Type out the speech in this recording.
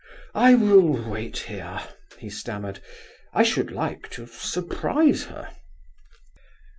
"I will wait here," he stammered. "I should like to surprise her.